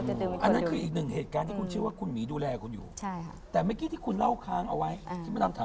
ยังไม่เดียวเขาเป็นคนดื่มเก่งมาก